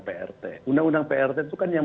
prt undang undang prt itu kan yang